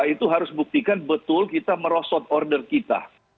itu harus buktikan betul kita merosot order kita